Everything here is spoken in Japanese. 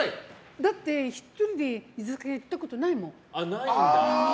だって１人で居酒屋行ったことないもん。